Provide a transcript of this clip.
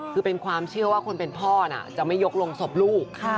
คือเป็นความเชื่อว่าคนเป็นพ่อน่ะจะไม่ยกลงศพลูก